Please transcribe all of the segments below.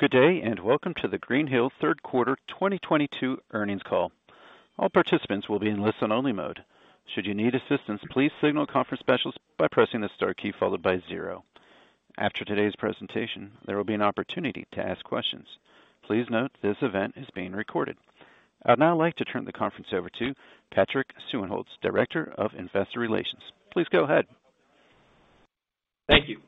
Good day, and welcome to the Greenhill third quarter 2022 earnings call. All participants will be in listen-only mode. Should you need assistance, please signal a conference specialist by pressing the star key followed by zero. After today's presentation, there will be an opportunity to ask questions. Please note this event is being recorded. I'd now like to turn the conference over to Patrick Suehnholz, Director of Investor Relations. Please go ahead. Thank you.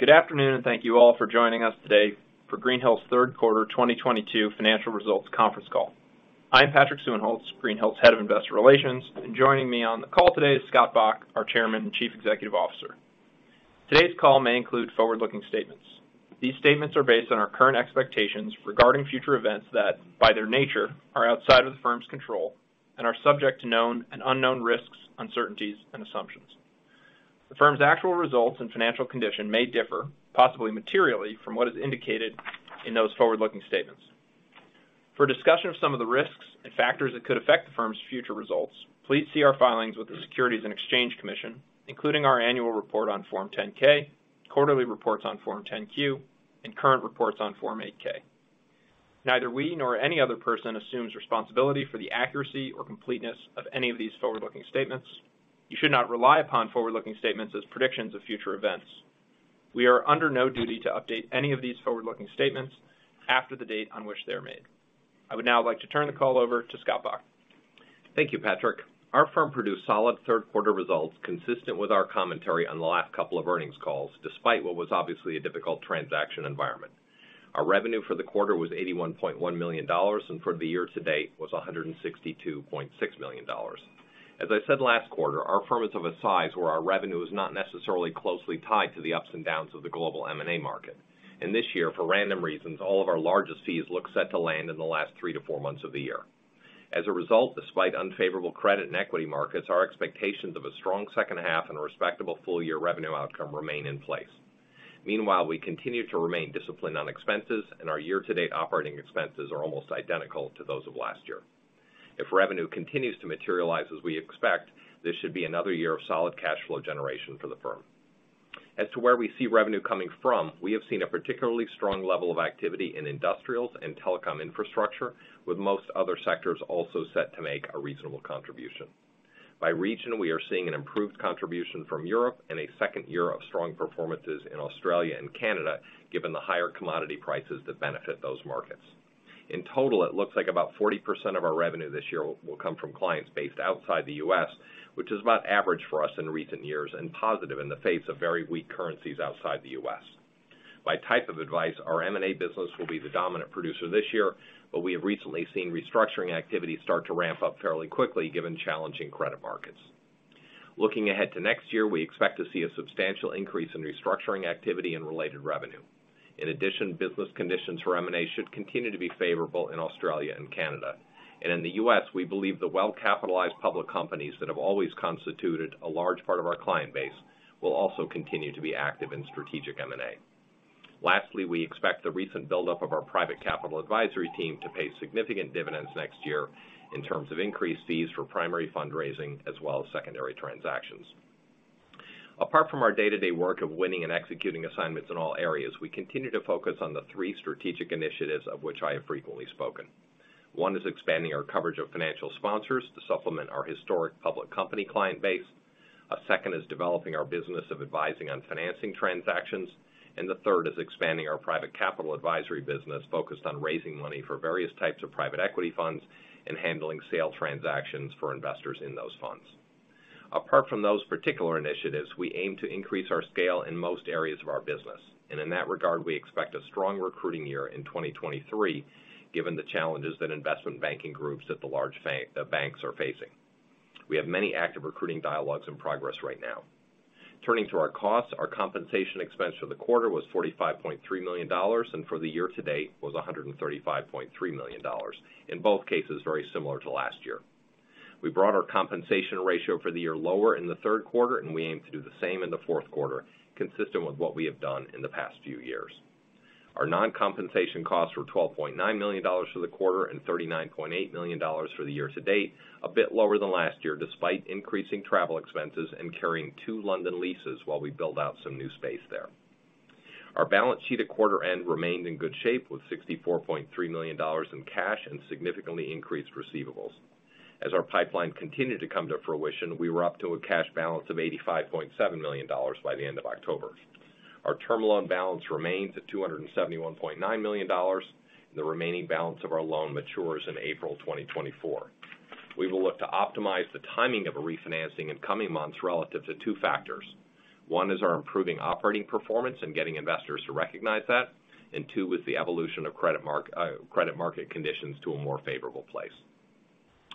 Good afternoon, and thank you all for joining us today for Greenhill's third quarter 2022 financial results conference call. I'm Patrick Suehnholz, Greenhill's Head of Investor Relations, and joining me on the call today is Scott Bok, our Chairman and Chief Executive Officer. Today's call may include forward-looking statements. These statements are based on our current expectations regarding future events that, by their nature, are outside of the firm's control and are subject to known and unknown risks, uncertainties, and assumptions. The firm's actual results and financial condition may differ, possibly materially, from what is indicated in those forward-looking statements. For a discussion of some of the risks and factors that could affect the firm's future results, please see our filings with the Securities and Exchange Commission, including our annual report on Form 10-K, quarterly reports on Form 10-Q, and current reports on Form 8-K. Neither we nor any other person assumes responsibility for the accuracy or completeness of any of these forward-looking statements. You should not rely upon forward-looking statements as predictions of future events. We are under no duty to update any of these forward-looking statements after the date on which they are made. I would now like to turn the call over to Scott Bok. Thank you, Patrick. Our firm produced solid third quarter results consistent with our commentary on the last couple of earnings calls, despite what was obviously a difficult transaction environment. Our revenue for the quarter was $81.1 million, and for the year to date was $162.6 million. As I said last quarter, our firm is of a size where our revenue is not necessarily closely tied to the ups and downs of the global M&A market. This year, for random reasons, all of our largest fees look set to land in the last 3-4 months of the year. As a result, despite unfavorable credit and equity markets, our expectations of a strong second half and a respectable full-year revenue outcome remain in place. Meanwhile, we continue to remain disciplined on expenses, and our year-to-date operating expenses are almost identical to those of last year. If revenue continues to materialize as we expect, this should be another year of solid cash flow generation for the firm. As to where we see revenue coming from, we have seen a particularly strong level of activity in industrials and telecom infrastructure, with most other sectors also set to make a reasonable contribution. By region, we are seeing an improved contribution from Europe and a second year of strong performances in Australia and Canada, given the higher commodity prices that benefit those markets. In total, it looks like about 40% of our revenue this year will come from clients based outside the US, which is about average for us in recent years and positive in the face of very weak currencies outside the US. By type of advice, our M&A business will be the dominant producer this year, but we have recently seen restructuring activity start to ramp up fairly quickly given challenging credit markets. Looking ahead to next year, we expect to see a substantial increase in restructuring activity and related revenue. In addition, business conditions for M&A should continue to be favorable in Australia and Canada. In the US, we believe the well-capitalized public companies that have always constituted a large part of our client base will also continue to be active in strategic M&A. Lastly, we expect the recent buildup of our private capital advisory team to pay significant dividends next year in terms of increased fees for primary fundraising as well as secondary transactions. Apart from our day-to-day work of winning and executing assignments in all areas, we continue to focus on the three strategic initiatives of which I have frequently spoken. One is expanding our coverage of financial sponsors to supplement our historic public company client base. A second is developing our business of advising on financing transactions. The third is expanding our private capital advisory business focused on raising money for various types of private equity funds and handling sale transactions for investors in those funds. Apart from those particular initiatives, we aim to increase our scale in most areas of our business. In that regard, we expect a strong recruiting year in 2023, given the challenges that investment banking groups at the large banks are facing. We have many active recruiting dialogues in progress right now. Turning to our costs, our compensation expense for the quarter was $45.3 million, and for the year to date was $135.3 million. In both cases, very similar to last year. We brought our compensation ratio for the year lower in the third quarter, and we aim to do the same in the fourth quarter, consistent with what we have done in the past few years. Our non-compensation costs were $12.9 million for the quarter and $39.8 million for the year to date, a bit lower than last year, despite increasing travel expenses and carrying two London leases while we build out some new space there. Our balance sheet at quarter end remained in good shape with $64.3 million in cash and significantly increased receivables. As our pipeline continued to come to fruition, we were up to a cash balance of $85.7 million by the end of October. Our term loan balance remains at $271.9 million. The remaining balance of our loan matures in April 2024. We will look to optimize the timing of a refinancing in coming months relative to two factors. One is our improving operating performance and getting investors to recognize that. Two is the evolution of credit market conditions to a more favorable place.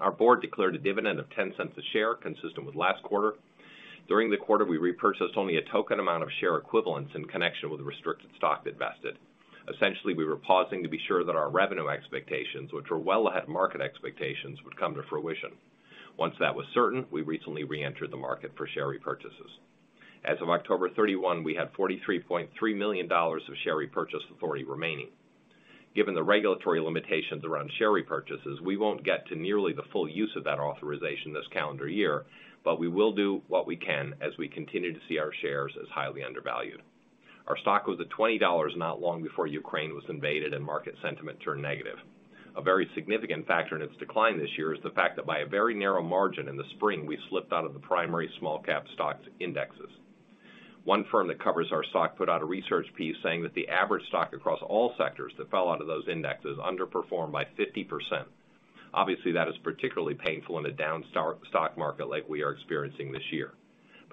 Our board declared a dividend of $0.10 a share, consistent with last quarter. During the quarter, we repurchased only a token amount of share equivalents in connection with the restricted stock that vested. Essentially, we were pausing to be sure that our revenue expectations, which were well ahead of market expectations, would come to fruition. Once that was certain, we recently reentered the market for share repurchases. As of October 31, we had $43.3 million of share repurchase authority remaining. Given the regulatory limitations around share repurchases, we won't get to nearly the full use of that authorization this calendar year, but we will do what we can as we continue to see our shares as highly undervalued. Our stock was at $20 not long before Ukraine was invaded and market sentiment turned negative. A very significant factor in its decline this year is the fact that by a very narrow margin in the spring, we slipped out of the primary small cap stocks indexes. One firm that covers our stock put out a research piece saying that the average stock across all sectors that fell out of those indexes underperformed by 50%. Obviously, that is particularly painful in a down stock market like we are experiencing this year.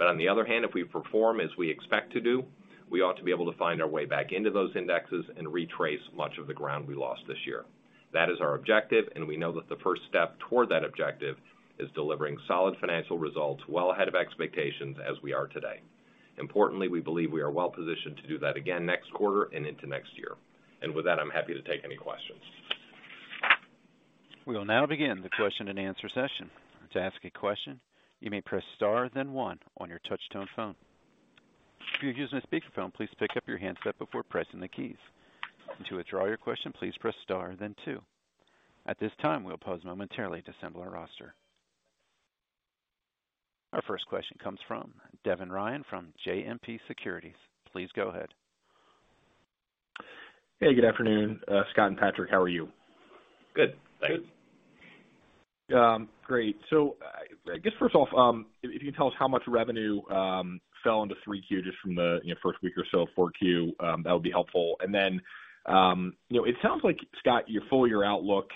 On the other hand, if we perform as we expect to do, we ought to be able to find our way back into those indexes and retrace much of the ground we lost this year. That is our objective, and we know that the first step toward that objective is delivering solid financial results well ahead of expectations as we are today. Importantly, we believe we are well positioned to do that again next quarter and into next year. With that, I'm happy to take any questions. We will now begin the question and answer session. To ask a question, you may press Star then one on your touch-tone phone. If you're using a speakerphone, please pick up your handset before pressing the keys. To withdraw your question, please press Star then two. At this time, we'll pause momentarily to assemble our roster. Our first question comes from Devin Ryan from JMP Securities. Please go ahead. Hey, good afternoon, Scott and Patrick. How are you? Good. Good. Great. I guess first off, if you can tell us how much revenue fell into 3Q just from the, you know, first week or so of 4Q, that would be helpful. You know, it sounds like, Scott, your full year outlook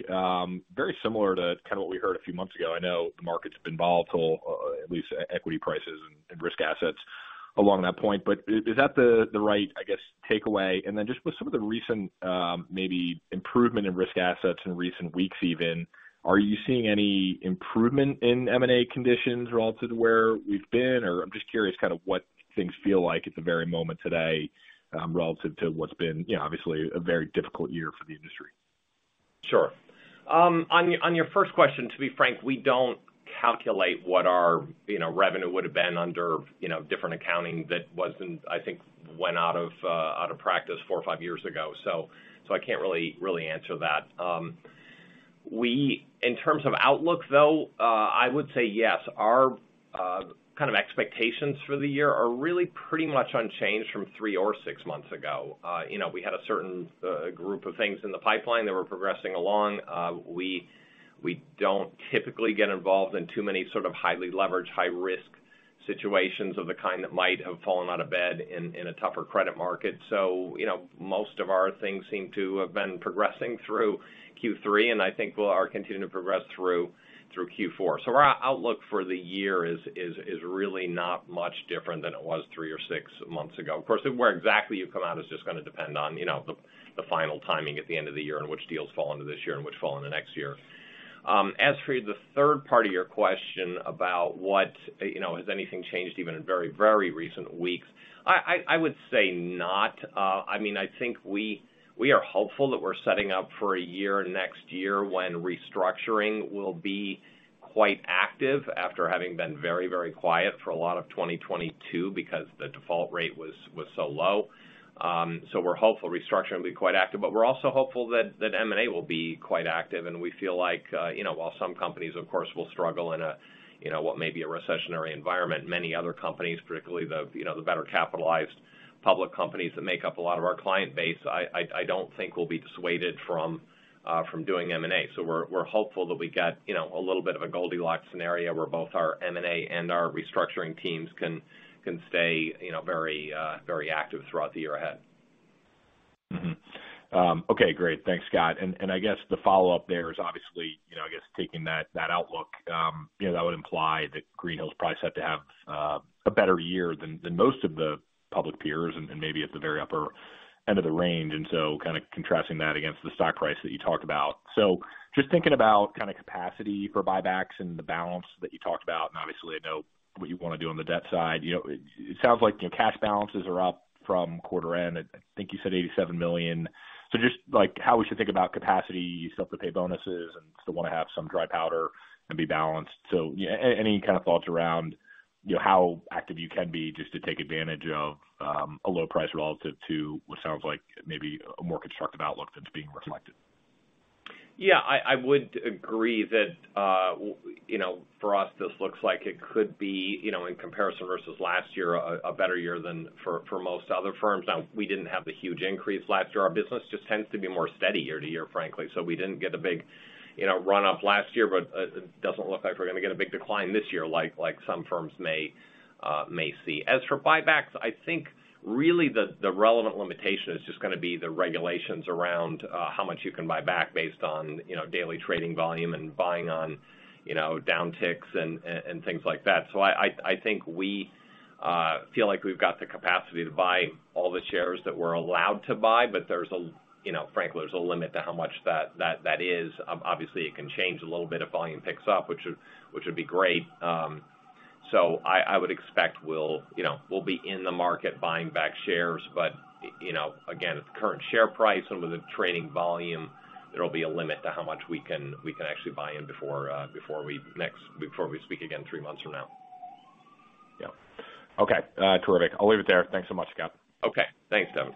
very similar to kind of what we heard a few months ago. I know the market's been volatile, at least equity prices and risk assets along that point, but is that the right, I guess, takeaway? Just with some of the recent, maybe improvement in risk assets in recent weeks even, are you seeing any improvement in M&A conditions relative to where we've been? I'm just curious kind of what things feel like at the very moment today, relative to what's been, you know, obviously a very difficult year for the industry. Sure. On your first question, to be frank, we don't calculate what our revenue would have been under different accounting that I think went out of practice four or five years ago, so I can't really answer that. In terms of outlook, though, I would say yes. Our kind of expectations for the year are really pretty much unchanged from three or six months ago. You know, we had a certain group of things in the pipeline that were progressing along. We don't typically get involved in too many sort of highly leveraged, high-risk situations of the kind that might have fallen out of bed in a tougher credit market. You know, most of our things seem to have been progressing through Q3, and I think or are continuing to progress through Q4. Our outlook for the year is really not much different than it was three or six months ago. Of course, where exactly you come out is just gonna depend on, you know, the final timing at the end of the year and which deals fall into this year and which fall in the next year. As for the third part of your question about what, you know, has anything changed even in very recent weeks, I would say not. I mean, I think we are hopeful that we're setting up for a year next year when restructuring will be quite active after having been very, very quiet for a lot of 2022 because the default rate was so low. We're hopeful restructuring will be quite active, but we're also hopeful that M&A will be quite active. We feel like, you know, while some companies, of course, will struggle in a, you know, what may be a recessionary environment, many other companies, particularly the, you know, the better capitalized public companies that make up a lot of our client base, I don't think will be dissuaded from from doing M&A. We're hopeful that we get, you know, a little bit of a Goldilocks scenario where both our M&A and our restructuring teams can stay, you know, very active throughout the year ahead. Okay, great. Thanks, Scott. I guess the follow-up there is obviously, you know, I guess taking that outlook, you know, that would imply that Greenhill probably set to have a better year than most of the public peers and maybe at the very upper end of the range, kind of contrasting that against the stock price that you talked about. Just thinking about kind of capacity for buybacks and the balance that you talked about, obviously I know what you wanna do on the debt side. You know, it sounds like, you know, cash balances are up from quarter end. I think you said $87 million. Just like how we should think about capacity, you still have to pay bonuses and still wanna have some dry powder and be balanced. Yeah, any kind of thoughts around, you know, how active you can be just to take advantage of a low price relative to what sounds like maybe a more constructive outlook that's being reflected. Yeah, I would agree that you know, for us, this looks like it could be you know, in comparison versus last year, a better year than for most other firms. Now we didn't have the huge increase last year. Our business just tends to be more steady year to year, frankly. We didn't get a big you know, run up last year, but it doesn't look like we're gonna get a big decline this year like some firms may see. As for buybacks, I think really the relevant limitation is just gonna be the regulations around how much you can buy back based on you know, daily trading volume and buying on you know, downticks and things like that. I think we feel like we've got the capacity to buy all the shares that we're allowed to buy, but you know, frankly, there's a limit to how much that is. Obviously it can change a little bit if volume picks up which would be great. I would expect we'll you know, we'll be in the market buying back shares, but you know, again, at the current share price, some of the trading volume, there'll be a limit to how much we can actually buy in before we speak again three months from now. Yeah. Okay, terrific. I'll leave it there. Thanks so much, Scott. Okay. Thanks, Devin.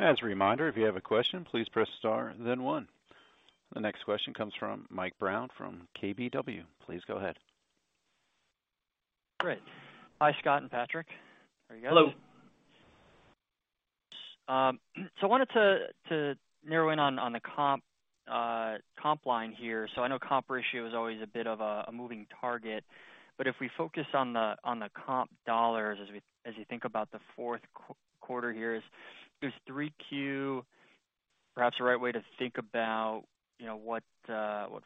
As a reminder, if you have a question, please press star then one. The next question comes from Michael Brown from KBW. Please go ahead. Great. Hi, Scott and Patrick. Hello. I wanted to narrow in on the comp line here. I know comp ratio is always a bit of a moving target, but if we focus on the comp dollars as you think about the fourth quarter here, is 3Q perhaps the right way to think about, you know, what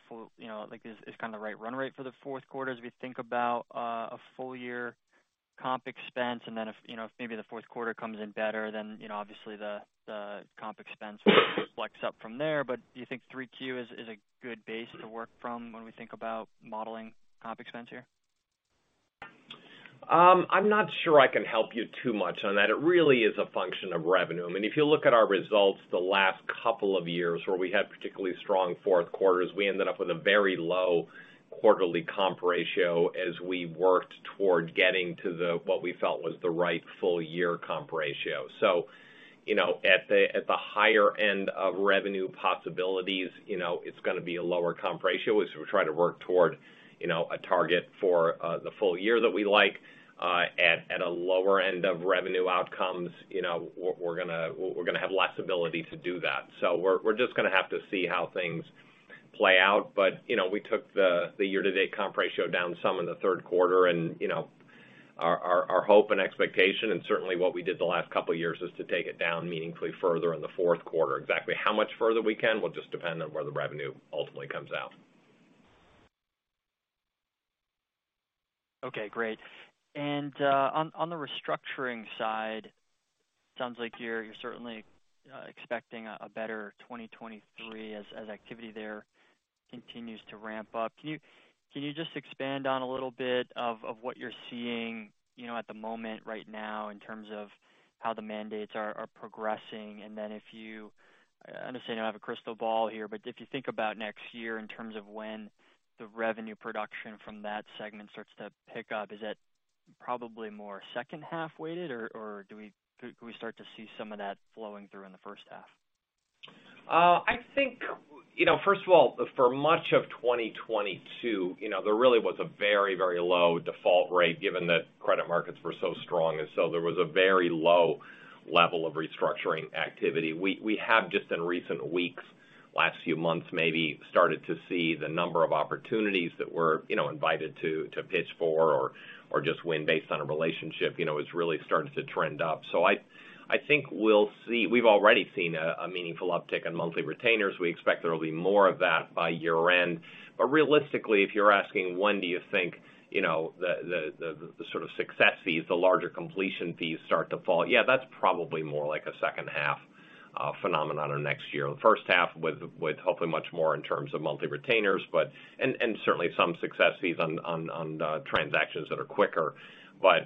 full, you know, like, is kind of right run rate for the fourth quarter as we think about a full year comp expense? Then if you know if maybe the fourth quarter comes in better then you know obviously the comp expense will flex up from there. Do you think 3Q is a good base to work from when we think about modeling comp expense here? I'm not sure I can help you too much on that. It really is a function of revenue. I mean, if you look at our results the last couple of years where we had particularly strong fourth quarters, we ended up with a very low quarterly comp ratio as we worked toward getting to the, what we felt was the right full year comp ratio. You know, at the higher end of revenue possibilities, you know, it's gonna be a lower comp ratio as we try to work toward, you know, a target for the full year that we like, at a lower end of revenue outcomes. You know, we're gonna have less ability to do that. We're just gonna have to see how things play out. You know, we took the year-to-date comp ratio down some in the third quarter and, you know, our hope and expectation, and certainly what we did the last couple of years is to take it down meaningfully further in the fourth quarter. Exactly how much further we can will just depend on where the revenue ultimately comes out. Okay, great. On the restructuring side, sounds like you're certainly expecting a better 2023 as activity there continues to ramp up. Can you just expand on a little bit of what you're seeing, you know, at the moment right now in terms of how the mandates are progressing? I understand you don't have a crystal ball here, but if you think about next year in terms of when the revenue production from that segment starts to pick up, is that probably more second half-weighted or do we could we start to see some of that flowing through in the first half? I think, you know, first of all, for much of 2022, you know, there really was a very, very low default rate given that credit markets were so strong, and so there was a very low level of restructuring activity. We have just in recent weeks, last few months, maybe started to see the number of opportunities that we're, you know, invited to pitch for or just win based on a relationship, you know, it's really starting to trend up. I think we'll see. We've already seen a meaningful uptick in monthly retainers. We expect there will be more of that by year-end. But realistically, if you're asking when do you think, you know, the sort of success fees, the larger completion fees start to flow? Yeah, that's probably more like a second half phenomenon or next year. The first half with hopefully much more in terms of monthly retainers, and certainly some success fees on transactions that are quicker.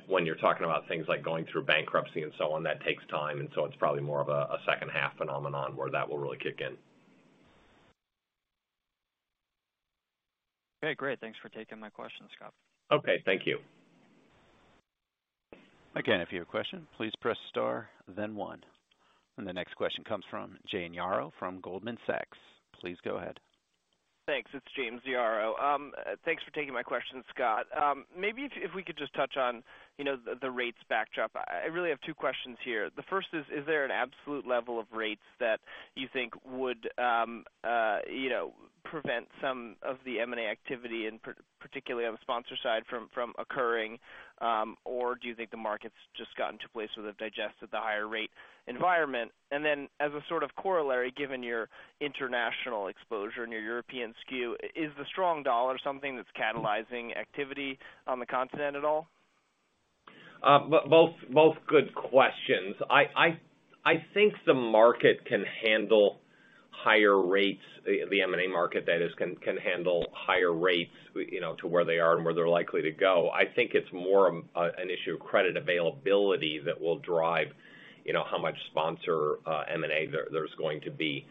When you're talking about things like going through bankruptcy and so on, that takes time, and so it's probably more of a second half phenomenon where that will really kick in. Okay, great. Thanks for taking my questions, Scott. Okay, thank you. Again, if you have a question, please press star then one. The next question comes from James Yarrow from Goldman Sachs. Please go ahead. Thanks. It's James Yarrow. Thanks for taking my question, Scott. Maybe if we could just touch on, you know, the rates backdrop. I really have two questions here. The first is there an absolute level of rates that you think would prevent some of the M&A activity, and particularly on the sponsor side from occurring? Or do you think the market's just gotten to a place where they've digested the higher rate environment? Then as a sort of corollary, given your international exposure and your European skew, is the strong dollar something that's catalyzing activity on the continent at all? Both good questions. I think the market can handle higher rates. The M&A market that is can handle higher rates, you know, to where they are and where they're likely to go. I think it's more an issue of credit availability that will drive, you know, how much sponsor M&A there's going to be.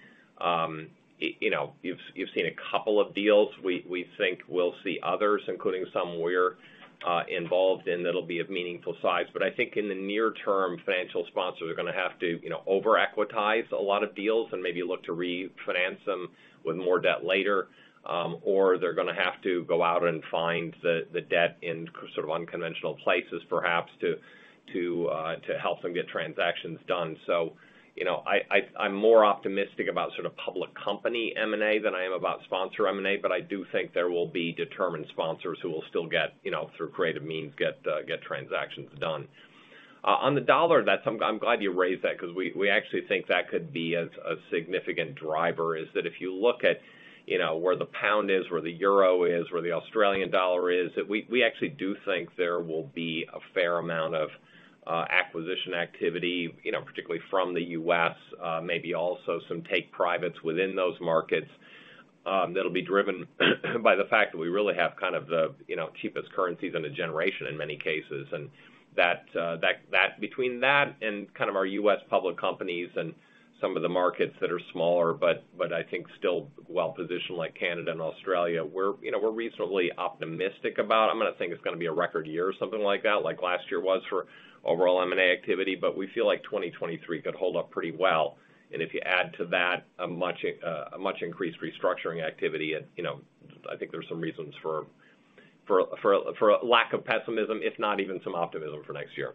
You know, you've seen a couple of deals. We think we'll see others, including some we're involved in that'll be of meaningful size. I think in the near term, financial sponsors are gonna have to, you know, over equitize a lot of deals and maybe look to refinance them with more debt later. or they're gonna have to go out and find the debt in sort of unconventional places, perhaps to help them get transactions done. You know, I'm more optimistic about sort of public company M&A than I am about sponsor M&A, but I do think there will be determined sponsors who will still get, you know, through creative means, get transactions done. On the dollar debt, I'm glad you raised that 'cause we actually think that could be a significant driver, is that if you look at, you know, where the pound is, where the euro is, where the Australian dollar is, that we actually do think there will be a fair amount of acquisition activity, you know, particularly from the U.S., maybe also some take privates within those markets. That'll be driven by the fact that we really have kind of the, you know, cheapest currencies in the generation in many cases. That between that and kind of our U.S. public companies and some of the markets that are smaller, but I think still well-positioned like Canada and Australia, we're, you know, we're reasonably optimistic about. I'm gonna think it's gonna be a record year or something like that, like last year was for overall M&A activity, but we feel like 2023 could hold up pretty well. If you add to that a much, a much increased restructuring activity and, you know, I think there's some reasons for a lack of pessimism, if not even some optimism for next year.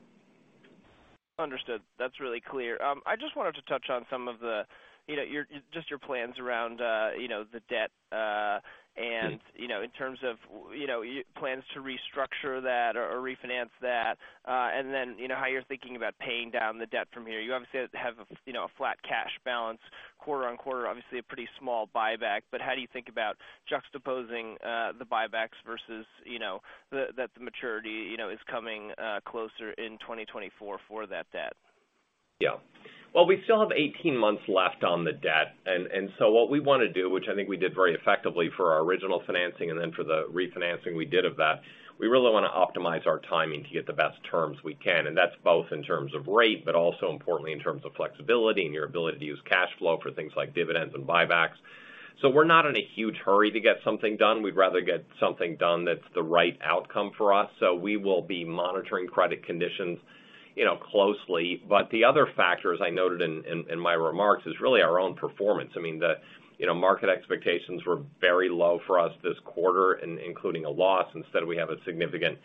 Understood. That's really clear. I just wanted to touch on some of the, you know, just your plans around, you know, the debt, and, you know, in terms of, you know, plans to restructure that or refinance that. And then, you know, how you're thinking about paying down the debt from here. You obviously have, you know, a flat cash balance quarter on quarter, obviously a pretty small buyback. But how do you think about juxtaposing the buybacks versus, you know, the maturity, you know, is coming closer in 2024 for that debt? Yeah. Well, we still have 18 months left on the debt. What we wanna do, which I think we did very effectively for our original financing and then for the refinancing we did of that, we really wanna optimize our timing to get the best terms we can, and that's both in terms of rate, but also importantly in terms of flexibility and your ability to use cash flow for things like dividends and buybacks. We're not in a huge hurry to get something done. We'd rather get something done that's the right outcome for us. We will be monitoring credit conditions, you know, closely. The other factor, as I noted in my remarks, is really our own performance. I mean, the, you know, market expectations were very low for us this quarter, including a loss. Instead, we have a significant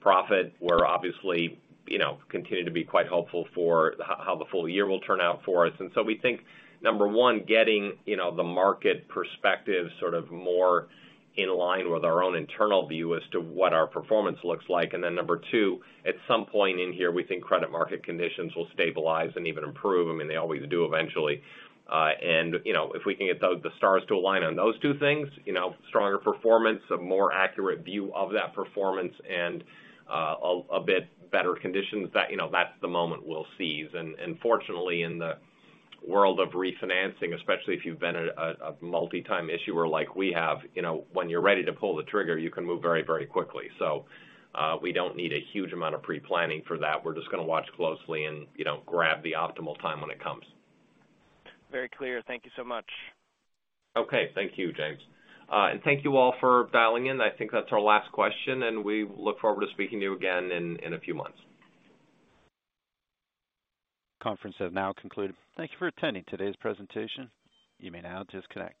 profit. We're obviously, you know, continue to be quite hopeful for how the full year will turn out for us. We think, number one, getting, you know, the market perspective sort of more in line with our own internal view as to what our performance looks like. Number two, at some point in here, we think credit market conditions will stabilize and even improve. I mean, they always do eventually. You know, if we can get the stars to align on those two things, you know, stronger performance, a more accurate view of that performance and, a bit better conditions, that, you know, that's the moment we'll seize. And fortunately, in the world of refinancing, especially if you've been a multi-time issuer like we have, you know when you're ready to pull the trigger, you can move very, very quickly. We don't need a huge amount of pre-planning for that. We're just gonna watch closely and, you know, grab the optimal time when it comes. Very clear. Thank you so much. Okay, thank you, James. Thank you all for dialing in. I think that's our last question, and we look forward to speaking to you again in a few months. Conference has now concluded. Thank you for attending today's presentation. You may now disconnect.